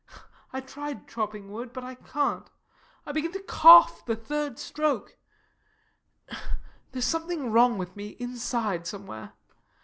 I've tried chopping wood, but I can't I begin to cough the third stroke there's something wrong with me inside, somewhere.